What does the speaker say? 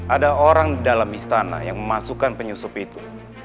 ada orang di dalam istana yang memasukkan penyusup itu